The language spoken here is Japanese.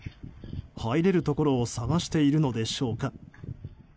入れるところを探しているのでしょうか。